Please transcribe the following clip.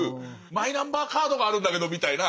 マイナンバーカードもあるんだけどみたいな。